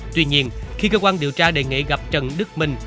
tuy nhiên khi cơ quan điều tra đề nghị gặp trần đức minh